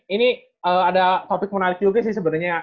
ini ada topik menarik juga sih sebenarnya